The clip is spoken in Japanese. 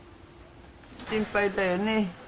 心配だよね。